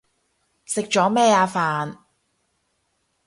食咗咩啊？飯